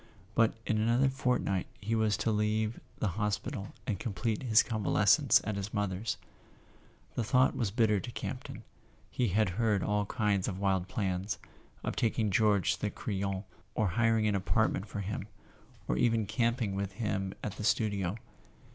But in another fortnight he was to leave the hospital and complete his convalescence at his mother's. The thought was bitter to Campton; he had had all kinds of wild plans—of taking George to the Crillon, or hiring an apartment for him, or even camping with him at the studio.